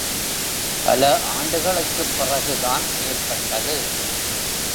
பல ஆண்டுகளுக்குப் பிறகுதான் ஏற்பட்டது.